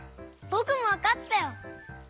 ぼくもわかったよ！